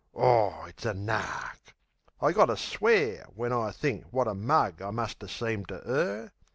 Aw, it's a nark! I gotter swear when I think wot a mug I must 'a' seemed to 'er.